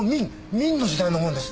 明の時代のものです。